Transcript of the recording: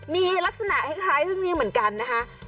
มีลักษณะให้คล้ายที่นี่เหมือนกันนะครับ